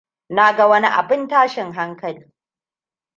Na ga wani abin tashin hankali.